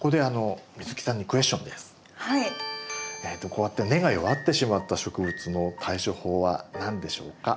こうやって根が弱ってしまった植物の対処法は何でしょうか？